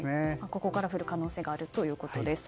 ここから降る可能性があるということです。